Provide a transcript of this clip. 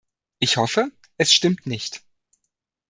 Ich hoffe, es stimmt nicht!